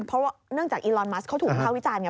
เพราะว่าเนื่องจากอีลอนมัสเขาถูกวิภาควิจารณไง